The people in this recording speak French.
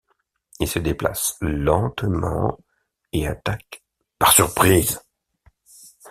Il se déplace lentement et attaque par surprise.